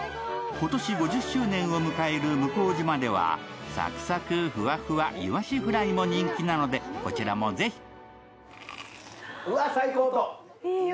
今年５０周年を迎える向島ではサクサク、ふわふわ、いわしフライも人気なので、こちらもぜひ！